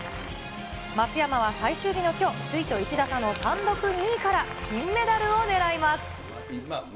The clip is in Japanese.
松山は最終日のきょう、首位と１打差の単独２位から金メダルをねらいます。